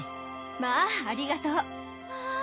まあありがとう。わあ。